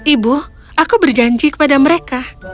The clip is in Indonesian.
ibu aku berjanji kepada mereka